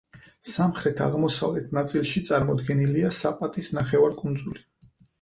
სამხრეთ-აღმოსავლეთ ნაწილში წარმოდგენილია საპატის ნახევარკუნძული.